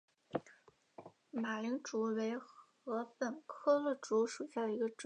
马岭竹为禾本科簕竹属下的一个种。